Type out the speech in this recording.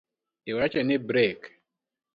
Iwacho ni brek?